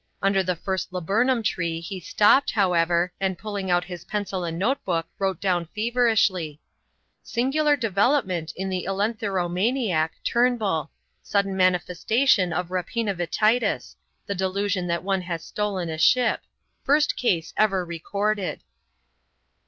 Under the first laburnum tree he stopped, however, and pulling out his pencil and notebook wrote down feverishly: "Singular development in the Elenthero maniac, Turnbull. Sudden manifestation of Rapinavititis the delusion that one has stolen a ship. First case ever recorded."